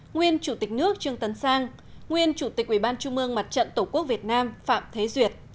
nguyên chủ tịch nước trương tấn sang nguyên chủ tịch ubnd mặt trận tổ quốc việt nam phạm thế duyệt